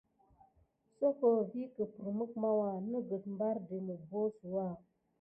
Soko vikeppremk màwuà nəgət mbardi mubosuwa.